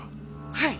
はい。